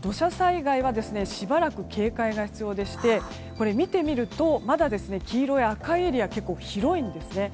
土砂災害はしばらく警戒が必要でして見てみるとまだ黄色や赤いエリアが結構広いんですよね。